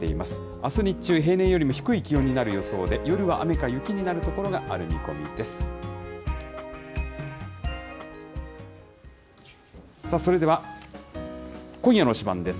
あす日中、平年よりも低い気温になる予想で、夜は雨か雪になる所がある見込みです。